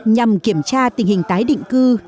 nhằm kiểm tra tình hình tái định cư